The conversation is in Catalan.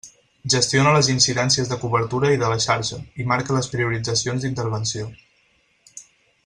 Gestiona les incidències de cobertura i de la xarxa i marca les prioritzacions d'intervenció.